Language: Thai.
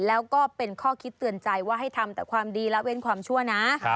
แล้วก็เป็นข้อคิดเตือนใจว่าให้ทำแต่ความดีละเว้นความชั่วนะ